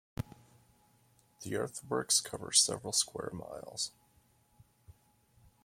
The earthworks cover several square miles.